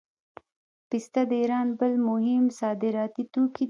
پسته د ایران بل مهم صادراتي توکی دی.